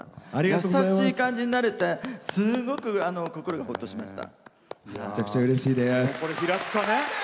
優しい感じになれてすごく、こころがほっとしました。